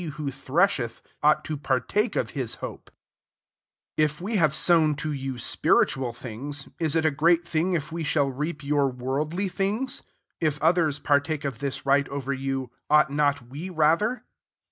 who thresheth mght to partake of his hope* IX If we have sown to you spiritual things^ ia it a great thing if we shall reap your MTorkUy things? 12 If ^Dthers ;)artake ^of tHa right over you, yu^ht not we rather